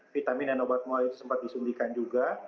vitamin dan obat mual itu sempat disuntikan juga